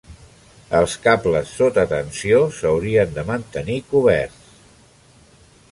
Els cables sota tensió s'haurien de mantenir coberts.